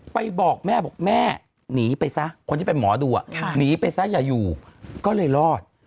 บอกแม่บอกแม่หนีไปซะคนที่เป็นหมอดูหนีไปซะอย่าอยู่ก็เลยรอด